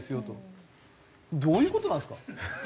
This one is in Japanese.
どういう事なんですか？